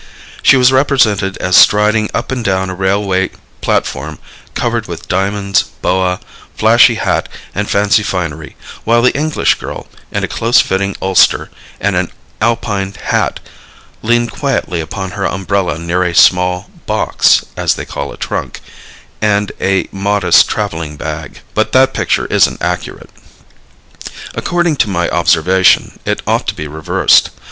She was represented as striding up and down a railway platform covered with diamonds, boa, flashy hat and fancy finery, while the English girl, in a close fitting ulster and an Alpine hat, leaned quietly upon her umbrella near a small "box," as they call a trunk, and a modest traveling bag. But that picture isn't accurate. According to my observation it ought to be reversed.